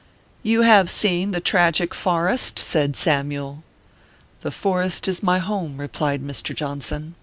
" You have seen the tragic Forrest ?" said Sam yule. "The forest is my home," replied Mr. Johnson, ORPHEUS C.